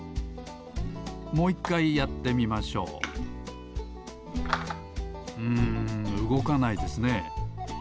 もう１かいやってみましょううんうごかないですね。